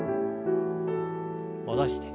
戻して。